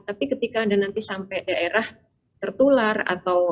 tapi ketika anda nanti sampai daerah tertular atau